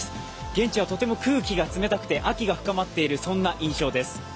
現地はとても空気が冷たくて秋が深まっている印象です。